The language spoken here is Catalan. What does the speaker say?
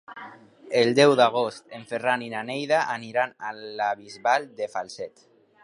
El deu d'agost en Ferran i na Neida aniran a la Bisbal de Falset.